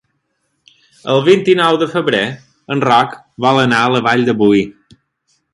El vint-i-nou de febrer en Roc vol anar a la Vall de Boí.